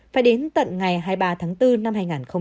phải đến tận ngày hai mươi ba tháng bốn năm hai nghìn hai mươi